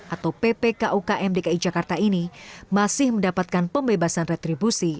atau ppk ukm dki jakarta ini masih mendapatkan pembebasan retribusi